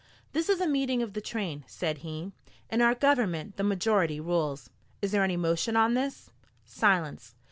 "This is a meeting of the train," said he. "In our government the majority rules. Is there any motion on this?" Silence.